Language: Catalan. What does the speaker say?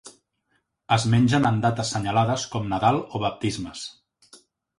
Es mengen en dates senyalades com Nadal o baptismes.